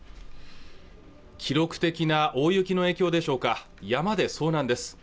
記録的な大雪の影響でしょうか山で遭難です